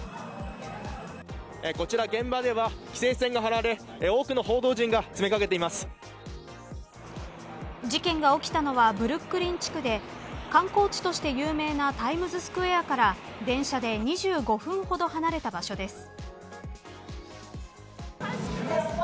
こちら現場では規制線が張られ多くの報道陣が詰め掛け事件が起きたのはブルックリン地区で観光地として有名なタイムズスクエアから電車で２５分ほど離れた場所です。